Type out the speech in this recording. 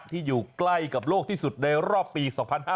ที่อยู่ใกล้กับโลกที่สุดในรอบปี๒๕๕๙